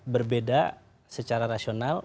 berbeda secara rasional